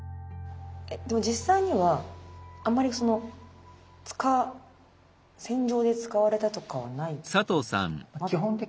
でも実際にはあんまりその戦場で使われたとかはないってことなんですかね？